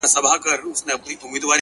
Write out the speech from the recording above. o د ستن او تار خبري ډيري شې دي ـ